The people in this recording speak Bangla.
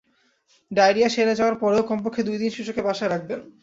ডায়রিয়া সেরে যাওয়ার পরেও কমপক্ষে দুই দিন শিশুকে বাসায় রাখবেন।